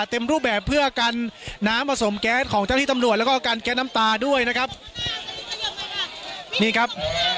เต็มรูปแบบเพื่อกันน้ำผสมแก๊สของเจ้าที่ตำรวจแล้วก็กันแก๊สน้ำตาด้วยนะครับนี่ครับ